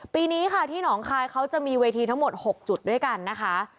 ปีนี้ค่ะที่หนองคายเขาจะมีเวทีทั้งหมด๖จุดด้วยกันนะคะ